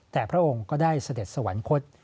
แต่พระองค์ก็ได้เสด็จสวรรคต